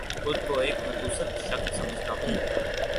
خود کو ایک متوسط شخص سمجھتا ہوں